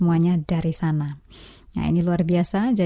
hanya dalam damai tuhan ku ada